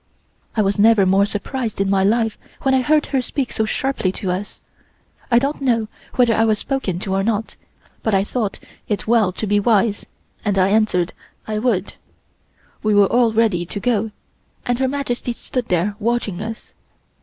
I was never more surprised in my life when I heard her speak so sharply to us. I don't know whether I was spoken to or not, but I thought it well to be wise, and I answered I would. We were all ready to go and Her Majesty stood there watching us.